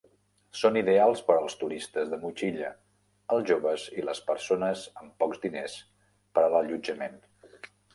Són ideals per als turistes de motxilla, els joves i les persones amb pocs diners per a l'allotjament.